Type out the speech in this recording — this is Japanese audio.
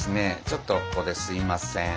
ちょっとここですいません